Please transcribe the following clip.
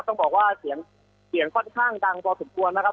ต้องบอกว่าเสียงเสียงค่อนข้างดังพอสมควรนะครับ